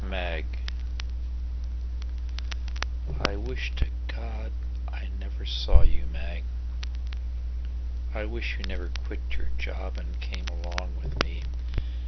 23. Mag I WISH to God I never saw you, Mag.I wish you never quit your job and came along with me.